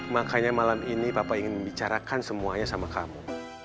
makanya malam ini papa ingin membicarakan semuanya sama kamu